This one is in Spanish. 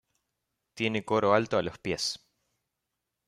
Tiene coro alto a los pies.